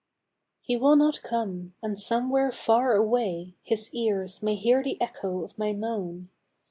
He will not come ! and somewhere far away His ears may hear the echo of my moan.